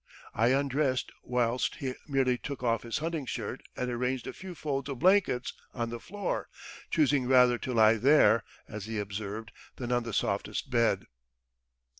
I undressed, whilst he merely took off his hunting shirt and arranged a few folds of blankets on the floor, choosing rather to lie there, as he observed, than on the softest bed."